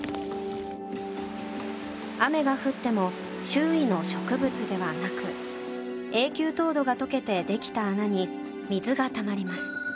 雨が降っても周囲の植物ではなく永久凍土が解けてできた穴に水がたまります。